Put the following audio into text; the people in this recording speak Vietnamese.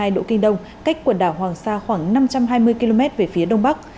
một trăm một mươi sáu hai độ kinh đông cách quần đảo hoàng sa khoảng năm trăm hai mươi km về phía đông bắc